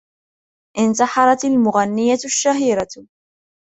انتحرت المغنية الشهيرة.